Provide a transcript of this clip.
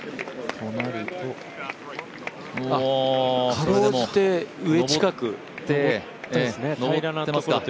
かろうじて、上近く上ったんですね。